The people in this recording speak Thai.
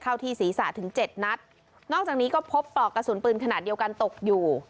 ที่ศีรษะถึงเจ็ดนัดนอกจากนี้ก็พบปลอกกระสุนปืนขนาดเดียวกันตกอยู่